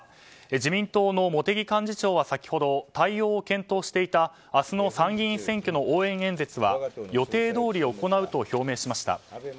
自民党の茂木幹事長は先ほど対応を検討していた明日の参議院選挙の応援演説は予定どおり行うと表明しました。